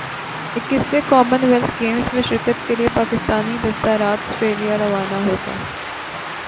اکیسویں Commonwealth Games میں شرکت کے لئے پاکستانی دستہ رات سٹریلیا روانہ ہو گا